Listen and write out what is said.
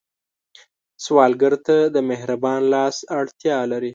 سوالګر ته د مهربان لاس اړتیا لري